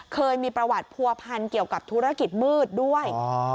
เคยมีประวัติผัวพันเกี่ยวกับธุรกิจมืดด้วย